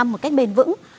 hai một cách bền vững